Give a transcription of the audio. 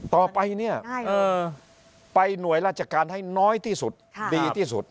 ต่อไปเนี่ยไปหน่วยราชการให้น้อยที่สุดดีที่สุด